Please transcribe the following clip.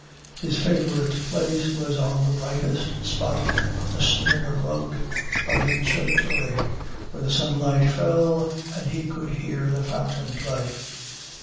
His favorite place was on the brightest spot of a Smyrna rug by the conservatory, where the sunlight fell and he could hear the fountain play.